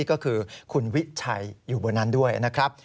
ก็คือคุณวิชัยอยู่บนนั้นด้วยนะครับ